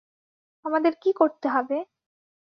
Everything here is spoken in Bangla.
আমাদের কি করতে হবে?